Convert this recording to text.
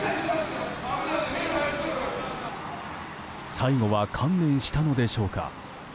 最後は観念したのでしょうか。